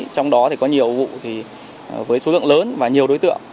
trong đó thì có nhiều vụ thì với số lượng lớn và nhiều đối tượng